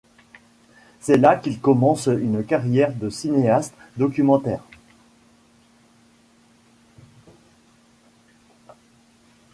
C'est là qu'il commence une carrière de cinéaste documentaire.